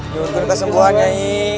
nyungun kena kesembuhan nyai